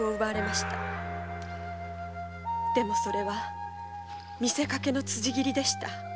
でもそれは見せかけの辻切りでした。